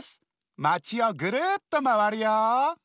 まちをぐるっとまわるよ！